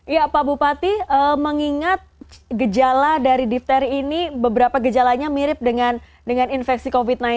ya pak bupati mengingat gejala dari dipteri ini beberapa gejalanya mirip dengan infeksi covid sembilan belas